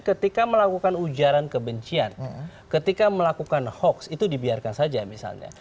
ketika melakukan ujaran kebencian ketika melakukan hoax itu dibiarkan saja misalnya